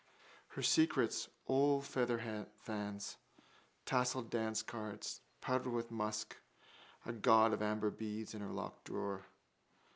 Her secrets: old featherfans, tasselled dancecards, powdered with musk, a gaud of amber beads in her locked drawer.